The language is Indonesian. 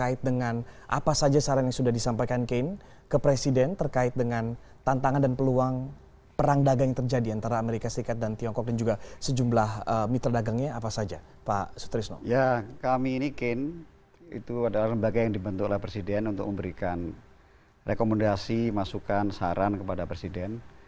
itu adalah lembaga yang dibentuk oleh presiden untuk memberikan rekomendasi masukan saran kepada presiden